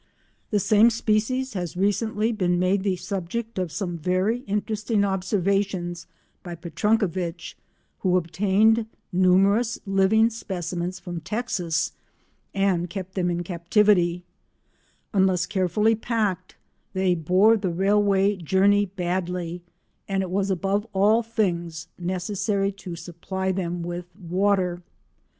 The same species has recently been made the subject of some very interesting observations by Petrunkewitch, who obtained numerous living specimens from Texas and kept them in captivity; unless carefully packed, they bore the railway journey badly, and it was above all things necessary to supply them with water.